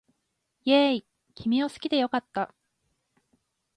イェーイ君を好きで良かった